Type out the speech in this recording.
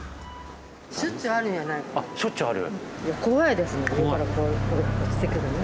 しょっちゅうある？